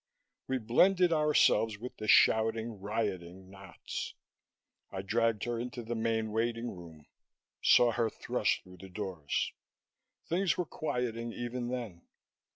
We blended ourselves with the shouting, rioting knots. I dragged her into the main waiting room, saw her thrust through the doors. Things were quieting even then.